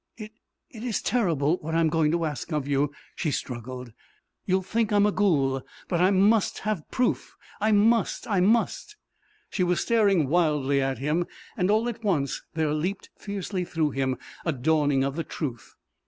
"It is terrible what I am going to ask of you," she struggled. "You will think I am a ghoul. But I must have proof! I must I must!" She was staring wildly at him, and all at once there leapt fiercely through him a dawning of the truth.